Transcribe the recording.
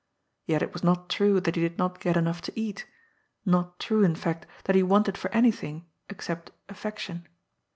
Yet it was not true that he did not get enough to eat — ^not true, in fact, that he wanted for anything, except affection.